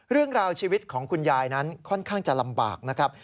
เรื่องราวชีวิตของคุณยายนั้นค่อนข้างจะลำบากนะครับ